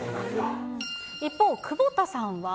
一方、窪田さんは。